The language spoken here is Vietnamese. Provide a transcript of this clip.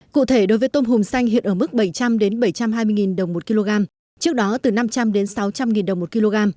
cụ thể đối với tôm hùm xanh hiện ở mức bảy trăm linh bảy trăm hai mươi đồng một kg trước đó từ năm trăm linh sáu trăm linh đồng một kg